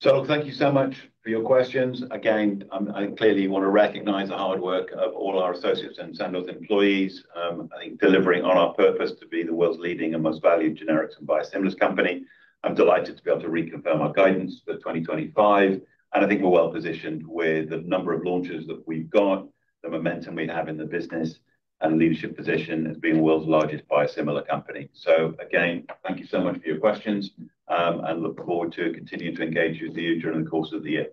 [SPEAKER 3] So thank you so much for your questions. Again, I clearly want to recognize the hard work of all our associates and Sandoz employees, I think delivering on our purpose to be the world's leading and most valued generics and biosimilars company. I'm delighted to be able to reconfirm our guidance for 2025. And I think we're well positioned with the number of launches that we've got, the momentum we have in the business, and leadership position as being the world's largest biosimilar company. So again, thank you so much for your questions. And look forward to continuing to engage with you during the course of the year.